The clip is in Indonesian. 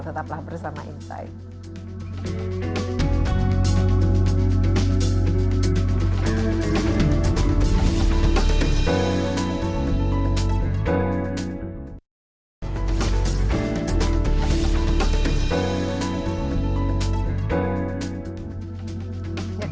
tetaplah bersama insight